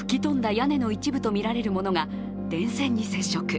屋根の一部とみられるものが電線に接触。